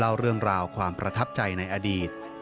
เล่าเรื่องราวความประทับใจในอดีต